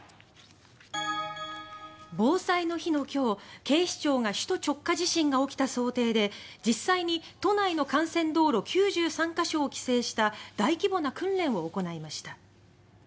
防災の日のきょう警視庁が首都直下地震が起きた想定で実際に都内の幹線道路９３か所を規制した大規模な訓練を行いました。